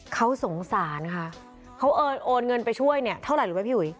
เขาสงสารค่ะเขาโอนเงินไปช่วยเนี่ยเท่าไหร่รู้ไหมพี่หุย